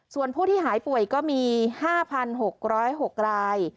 ส่วนผู้ที่หายป่วยก็มี๕๖๐๖ราย